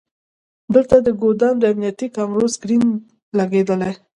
دلته د ګودام د امنیتي کامرو سکرین لګیدلی.